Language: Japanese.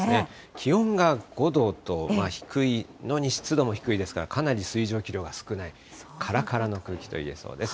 気温が５度と低いのに、湿度も低いですから、かなり水蒸気量が少ない、からからの空気といえそうです。